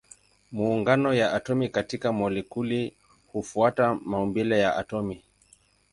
Maungano ya atomi katika molekuli hufuata maumbile ya atomi.